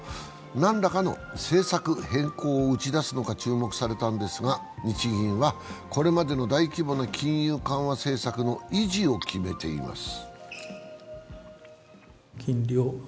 何らかの政策変更を打ち出すのか注目されたんですが、日銀は、これまでの大規模な金融緩和政策の維持を決めています。